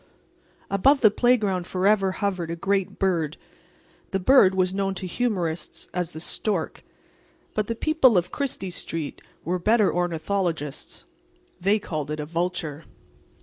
Above the playground forever hovered a great bird. The bird was known to humorists as the stork. But the people of Chrystie street were better ornithologists. They called it a vulture.